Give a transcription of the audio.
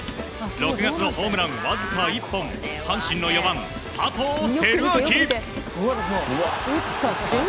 ６月のホームランわずか１本阪神の４番、佐藤輝明。